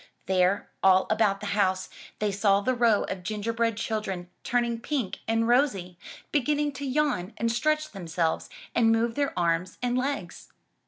There, all about the house, they saw the row of gingerbread children turning pink and rosy, beginning to yawn and stretch themselves and move their arms and legs.